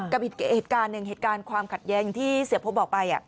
กับอีกเหตุการณ์หนึ่งเหตุการณ์ความขัดแย้งที่เสียพบบอกไป